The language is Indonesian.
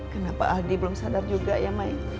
kenapa aldi belum sadar juga ya mai